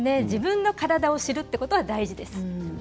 自分の体を知るということは大事です。